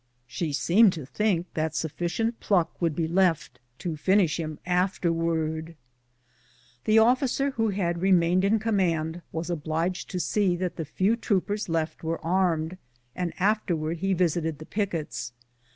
She seemed to think that sufiicient pluck would be left to finish him afterwards. Tlie 164 BOOTS AND SADDLES. oflScer who had remained in command was obh'ged to see that the few troopers left were armed, and after wards he visited the pickets.